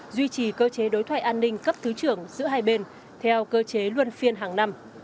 duy trì cơ chế đối thoại an ninh cấp thứ trưởng giữa hai bên theo cơ chế luân phiên hàng năm